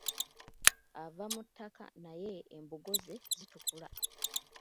Ava mu ttaka naye embugo ze zitukula.